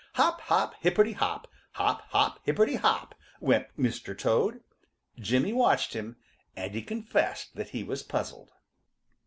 Hop, hop, hipperty hop, hop, hop, hipperty hop went Mr. Toad. Jimmy watched him, and he confessed that he was puzzled.